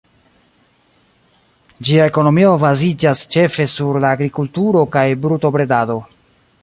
Ĝia ekonomio baziĝas ĉefe sur la agrikulturo kaj brutobredado.